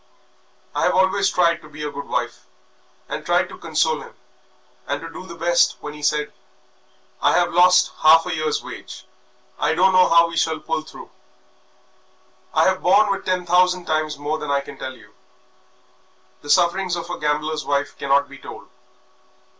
I have always tried to be a good wife and tried to console him, and to do the best when he said, 'I have lost half a year's wages, I don't know how we shall pull through.' I have borne with ten thousand times more than I can tell you. The sufferings of a gambler's wife cannot be told.